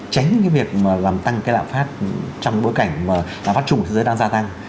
tránh cái việc mà làm tăng cái lạc phát trong bối cảnh mà lạc phát trùng của thế giới đang gia tăng